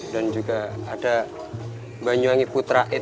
dan juga ada banyuwangi putra en